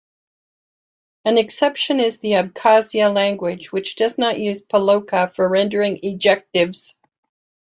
An exception is the Abkhaz language, which does not use palochka for rendering ejectives.